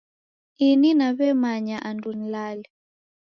Ini naw'emanya andu nilale